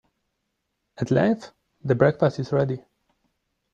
At length the breakfast is ready.